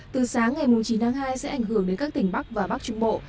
từ sáng ngày chín tháng hai sẽ ảnh hưởng đến các tỉnh bắc và bắc trung bộ